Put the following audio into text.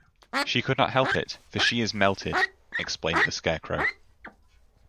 "She could not help it, for she is melted," explained the Scarecrow.